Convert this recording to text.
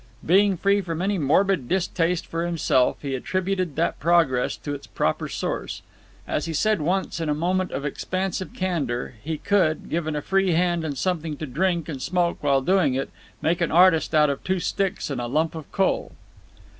Being free from any morbid distaste for himself, he attributed that progress to its proper source. As he said once in a moment of expansive candour, he could, given a free hand and something to drink and smoke while doing it, make an artist out of two sticks and a lump of coal.